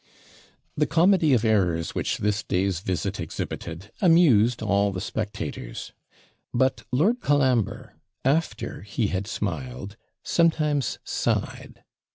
The comedy of errors, which this day's visit exhibited, amused all the spectators. But Lord Colambre, after he had smiled, sometimes sighed.